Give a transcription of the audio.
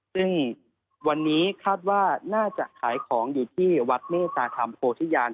ซึ่งวันนี้คาดว่าน่าจะขายของอยู่ที่วัดเมตตาธรรมโพธิญาณ